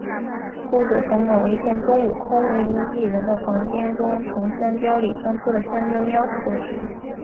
故事从某一天中午空无一人的厨房中从香蕉里钻出的香蕉喵说起。